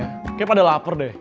kayaknya pada lapar deh